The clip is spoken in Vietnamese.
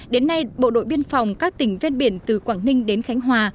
đến nay bộ đội biên phòng các tỉnh ven biển từ quảng ninh đến khánh hòa